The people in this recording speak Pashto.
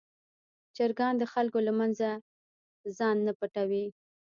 چرګان د خلکو له منځه ځان نه پټوي.